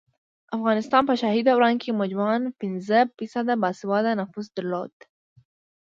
افغانستان په شاهي دوران کې مجموعاً پنځه فیصده باسواده نفوس درلود